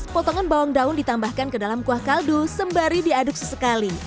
potongan bawang daun ditambahkan ke dalam kuah kaldu sembari diaduk sesekali